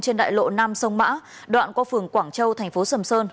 trên đại lộ năm sông mã đoạn qua phường quảng châu thành phố sầm sơn